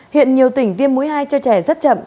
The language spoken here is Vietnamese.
hiện nhiều tỉnh tiêm mũi hai cho trẻ rất chậm